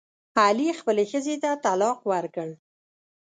علي خپلې ښځې ته طلاق ورکړ.